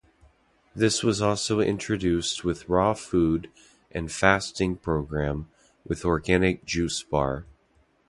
This was also introduced with Raw Food and Fasting Program with Organic Juice Bar.